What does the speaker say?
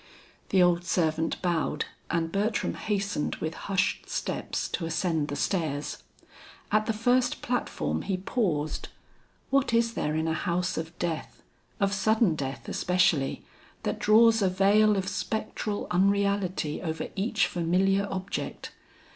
The old servant bowed and Bertram hastened with hushed steps to ascend the stairs. At the first platform he paused. What is there in a house of death, of sudden death especially, that draws a veil of spectral unreality over each familiar object!